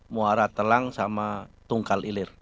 muara telang sama tungkal ilir